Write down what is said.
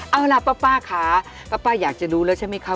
เอาล่ะป้าคะป้าอยากจะรู้แล้วใช่ไหมคะ